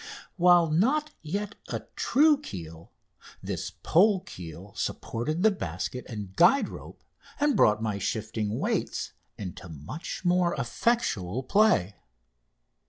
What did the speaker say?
While not yet a true keel, this pole keel supported basket and guide rope and brought my shifting weights into much more effectual play.